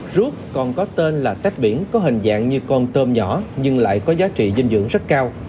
rút còn có tên là tách biển có hình dạng như con tôm nhỏ nhưng lại có giá trị dinh dưỡng rất cao